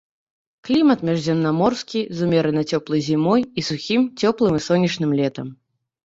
Клімат міжземнаморскі з умерана цёплай зімой і сухім, цёплым і сонечным летам.